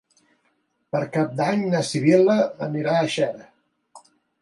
Per Cap d'Any na Sibil·la anirà a Xera.